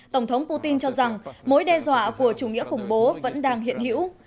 tổng thống putin cho rằng mối đe dọa của chủ nghĩa khủng bố vẫn đang hiện hữu